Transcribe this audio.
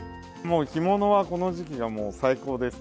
干物は、この時期が最高です。